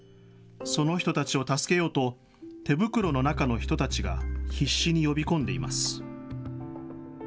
その人たちを助けようと手袋の中の人たちが必死に呼び込んでいます。